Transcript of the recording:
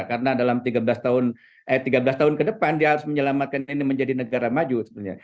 karena dalam tiga belas tahun eh tiga belas tahun ke depan dia harus menyelamatkan ini menjadi negara maju sebenarnya